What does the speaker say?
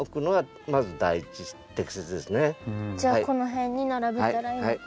じゃあこの辺に並べたらいい。